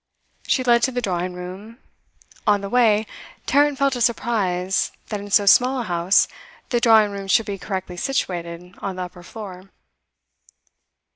She led to the drawing room: on the way, Tarrant felt a surprise that in so small a house the drawing room should be correctly situated on the upper floor.